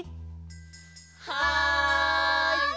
はい！